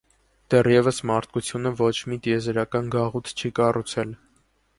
Դեռևս մարդկությունը ոչ մի տիեզերական գաղութ չի կառուցել։